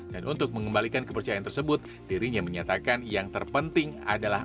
dan untuk mengembalikan kepercayaan tersebut dirinya menyatakan yang terpenting adalah